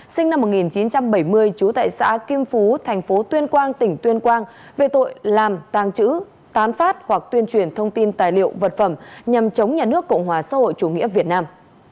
sinh năm một nghìn chín trăm bảy mươi chú tại xã kim phú thành phố tuyên quang tỉnh tuyên quang về tội làm tàng trữ tán phát hoặc tuyên truyền thông tin tài liệu vật phẩm nhằm chống nhà nước cộng hòa xã hội chủ nghĩa việt nam